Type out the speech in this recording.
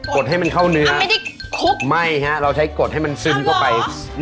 ดให้มันเข้าเนื้อไม่ได้คลุกไม่ฮะเราใช้กดให้มันซึมเข้าไป